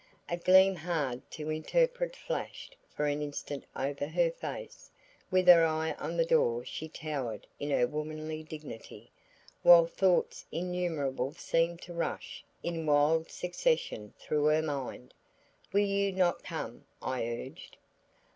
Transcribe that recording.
A gleam hard to interpret flashed for an instant over her face. With her eye on the door she towered in her womanly dignity, while thoughts innumerable seemed to rush in wild succession through her mind. "Will you not come?" I urged.